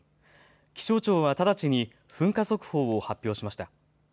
気象庁は直ちに噴火速報を発表しました。